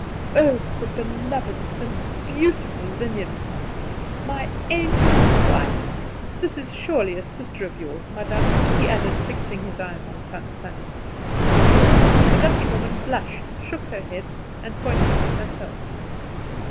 "Oh, the beloved, the beautiful lineaments! My angel wife! This is surely a sister of yours, madame?" he added, fixing his eyes on Tant Sannie. The Dutchwoman blushed, shook her head, and pointed to herself.